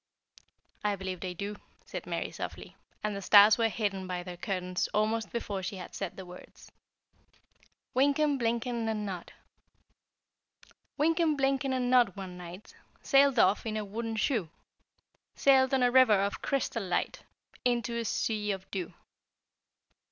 "I believe they do," said Mary softly; and the stars were hidden by their curtains almost before she had said the words. WYNKEN, BLYNKEN, AND NOD. Wynken, Blynken, and Nod, one night Sailed off in a wooden shoe Sailed on a river of crystal light Into a sea of dew.